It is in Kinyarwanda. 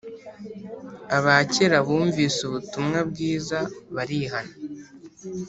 abakera bumvise ubutumwa bwiza barihana